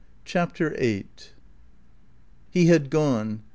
CHAPTER EIGHT He had gone.